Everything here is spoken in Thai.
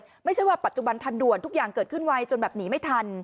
ไม่ใช่ว่าปัจจุบันทันด่วนทุกอย่างเกิดขึ้นไวจนแบบหนีไม่ทัน